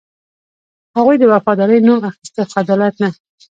هغوی د وفادارۍ نوم اخیسته، خو عدالت نه.